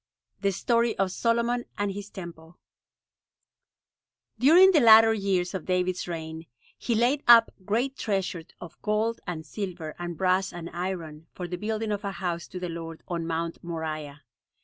THE STORY OF SOLOMON AND HIS TEMPLE During the later years of David's reign, he laid up great treasure of gold and silver, and brass, and iron, for the building of a house to the Lord on Mount Moriah.